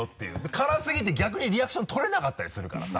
辛すぎて逆にリアクションとれなかったりするからさ。